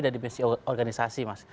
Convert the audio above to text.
dan dimensi organisasi mas